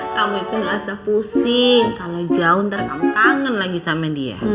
kamu itu nggak usah pusing kalau jauh ntar kamu kangen lagi sama dia